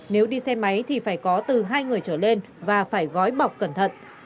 nếu đi xe máy thì phải có từ hai người trở lên và phải gói bọc cẩn thận